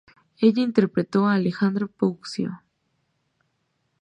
En ella interpretó a Alejandro Puccio.